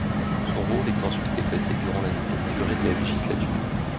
Son rôle est ensuite effacé durant la durée de la législature.